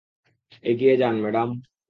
এগিয়ে যান, ম্যাডাম।